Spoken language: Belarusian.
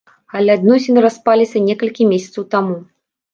Але адносіны распаліся некалькі месяцаў таму.